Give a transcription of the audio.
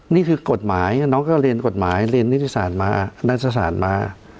นี่คือกฎหมายน้องก็เรียนกฎหมายเรียนนิตศาสตร์มาณสถานมา